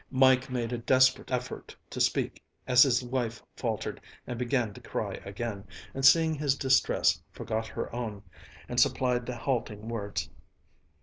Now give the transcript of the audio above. Mike made a desperate effort to speak as his wife faltered and began to cry again, and seeing his distress forgot her own, and supplied the halting words.